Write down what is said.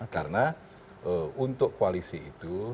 karena untuk koalisi itu